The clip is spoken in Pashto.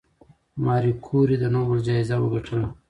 ماري کوري د نوبل جایزه وګټله.